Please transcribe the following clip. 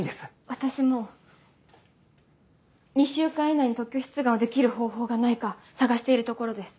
私も２週間以内に特許出願できる方法がないか探しているところです。